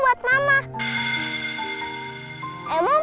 papenya kamu sudah jadi mama